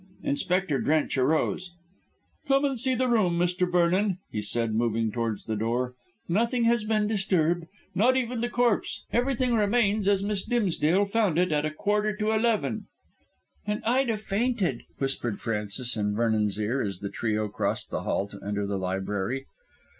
Inspector Drench arose. "Come and see the room, Mr. Vernon," he said, moving towards the door. "Nothing has been disturbed, not even the corpse. Everything remains as Miss Dimsdale found it at a quarter to twelve." "And Ida fainted," whispered Frances in Vernon's ear as the trio crossed the hall to enter the library.